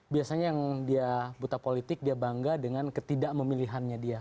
biasanya yang dia buta politik dia bangga dengan ketidakmelihannya dia